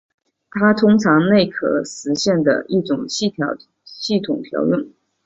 它通常是内核实现的一种系统调用。